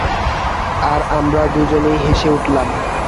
আর আমরা দুজনেই হেসে উঠলাম।